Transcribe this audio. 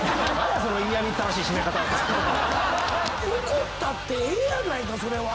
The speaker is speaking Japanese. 怒ったってええやないかそれは。